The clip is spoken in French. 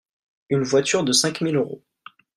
Une voiture de cinq mille euros.